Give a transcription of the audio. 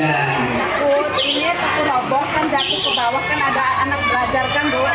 ini itu kerobohan jati ke bawah kan ada anak belajar kan